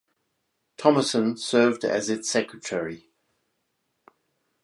Tomasson served as its secretary.